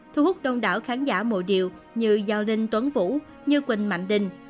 thu hút đông đảo khán giả mộ điều như giao linh tuấn vũ như quỳnh mạnh đinh